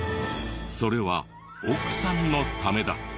それは奥さんのためだった。